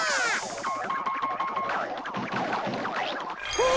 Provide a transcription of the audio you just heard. うわ！